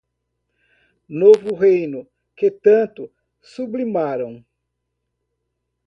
Novo reino, que tanto sublimaram.